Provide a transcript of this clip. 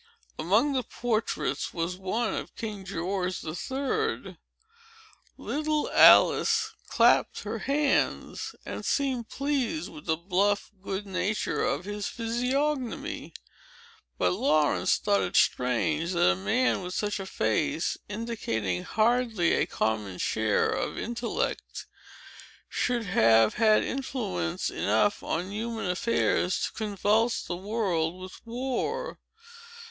Among the portraits was one of King George the Third. Little Alice clapped her hands, and seemed pleased with the bluff good nature of his physiognomy. But Laurence thought it strange, that a man with such a face, indicating hardly a common share of intellect, should have had influence enough on human affairs, to convulse the world with war.